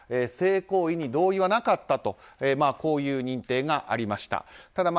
性行為に同意はなかったとこういう認定がありました。